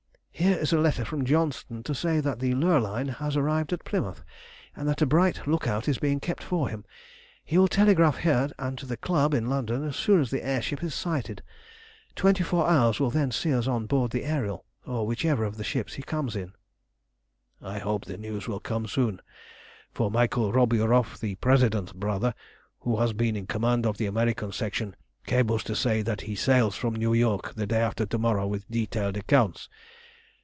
Here is a letter from Johnston to say that the Lurline has arrived at Plymouth, and that a bright look out is being kept for him. He will telegraph here and to the club in London as soon as the air ship is sighted. Twenty four hours will then see us on board the Ariel, or whichever of the ships he comes in." "I hope the news will come soon, for Michael Roburoff, the President's brother, who has been in command of the American Section, cables to say that he sails from New York the day after to morrow with detailed accounts.